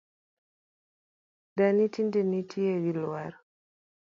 Dani tinde nitie gi lwar